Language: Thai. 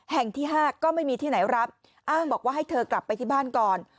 แห่งที่๕ก็ไม่มีที่ไหนรับอ้างบอกว่าให้เธอกลับไปที่บ้านก่อน